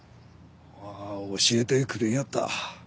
ああ教えてくれんやった。